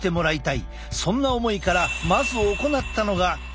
そんな思いからまず行ったのがすると！